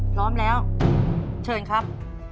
พร้อมแล้วเชิญครับ